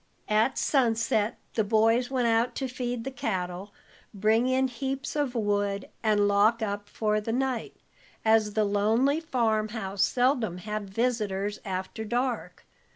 At sunset the boys went out to feed the cattle, bring in heaps of wood, and lock up for the night, as the lonely farm house seldom had visitors after dark.